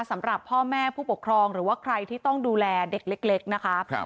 สำหรับพ่อแม่ผู้ปกครองหรือว่าใครที่ต้องดูแลเด็กเล็กนะคะ